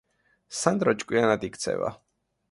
სანდრო ჭკვიანად იქცევა